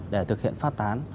để thực hiện phát tán